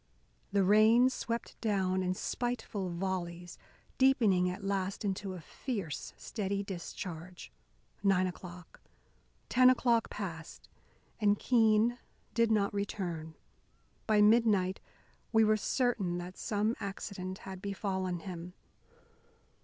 The rain swept down in spiteful volleys, deepening at last into a fierce, steady discharge. Nine o'clock, ten o'clock passed, and Keene did not return. By midnight we were certain that some accident had befallen him.